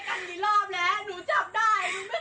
หนูไม่ต้องมาออก